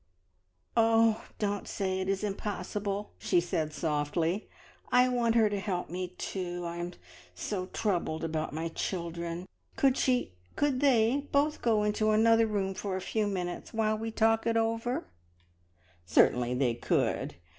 "Oh, don't say it is impossible!" she said softly. "I want her to help me too, and I am so troubled about my children. Could she could they both go into another room for a few minutes, while we talk it over together?" "Certainly they could!"